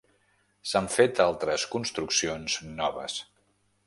S’han fet altres construccions noves.